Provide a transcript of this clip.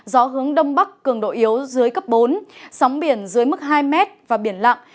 gió hướng đông bắc cường độ yếu dưới cấp bốn sóng biển dưới mức hai m và biển lặng